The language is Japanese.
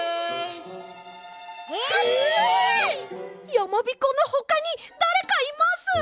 やまびこのほかにだれかいます！